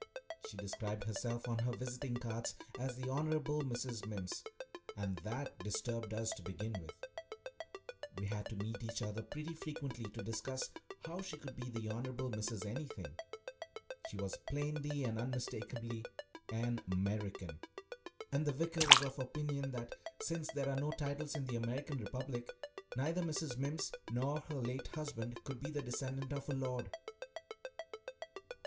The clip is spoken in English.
She described herself on her visiting cards as "the Honourable Mrs. Mimms," and that disturbed us to begin with. We had to meet each other pretty frequently to discuss how she could be the Honourable Mrs. anything. She was plainly and unmistakably an American, and the vicar was of opinion that, since there are no titles in the American Republic, neither Mrs. Mimms nor her late husband could be the descendant of a lord.